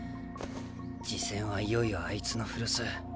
次戦はいよいよあいつの古巣